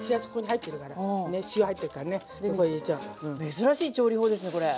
珍しい調理法ですねこれ。